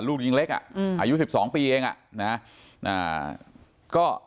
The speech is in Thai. ลูกยังเล็กอ่ะอายุ๑๒ปีเองอ่ะนะ